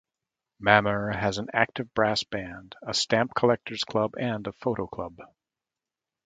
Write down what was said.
Mamer has an active brass band, a stamp-collectors' club and a photo club.